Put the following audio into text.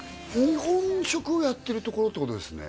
日本食をやってるところってことですね